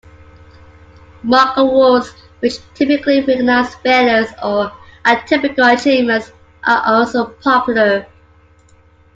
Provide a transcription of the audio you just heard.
Mock awards, which typically recognize failures or atypical achievements, are also popular.